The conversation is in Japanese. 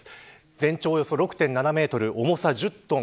全長およそ６．７メートル重さ１０トン。